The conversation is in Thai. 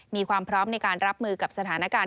มีความพร้อมในการรับมือกับสถานการณ์